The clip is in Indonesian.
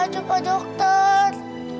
apa aja pak dokter